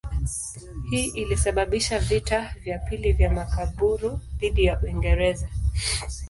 Hii ilisababisha vita vya pili vya Makaburu dhidi ya Uingereza.